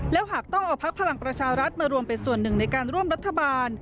แล้วหากต้องเอาพักพลังประชารัฐมารวมเป็นส่วนหนึ่งในการร่วมรัฐบาล